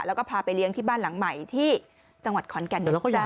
แล้วก็พาไปเลี้ยงที่บ้านหลังใหม่ที่จังหวัดขอนแก่นด้วย